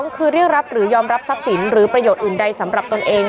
คือเรียกรับหรือยอมรับทรัพย์สินหรือประโยชน์อื่นใดสำหรับตนเอง